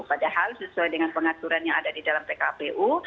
padahal sesuai dengan pengaturan yang ada di dalam pkpu